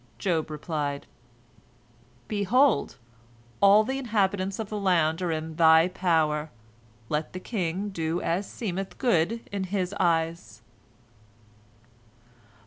Job replied: "Behold, all the inhabitants of the land are in thy power. Let the king do as seemeth good in his eyes."